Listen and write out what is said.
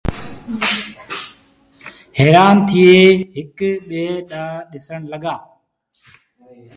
هيرآن ٿئي هڪ ٻي ڏآنٚهنٚ ڏسڻ لڳآ